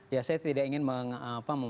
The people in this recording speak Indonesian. ya saya tidak ingin memakai label yang